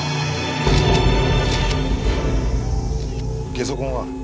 ゲソ痕は？